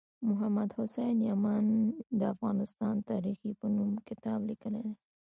محمد حسین یمین د افغانستان تاریخي په نوم کتاب لیکلی دی